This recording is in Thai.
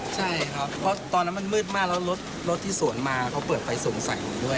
ใช่ครับตอนนั้นมันมืดมากแล้วรถที่สวนมาเปิดไฟสงสัยด้วย